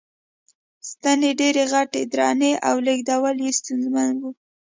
ستنې ډېرې غټې، درنې او لېږدول یې ستونزمن و.